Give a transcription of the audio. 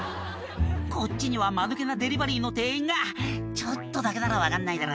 こっちにはマヌケなデリバリーの店員が「ちょっとだけなら分かんないだろ」